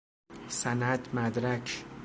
سند مدرک